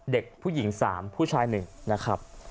เด็กผู้หญิง๓ผู้ชาย๑นะครับ